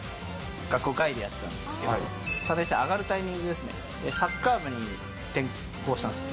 学校外でやってたんですけど、上がるタイミングですね、サッカー部に転向したんです。